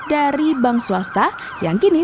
dari bank swasta yang kini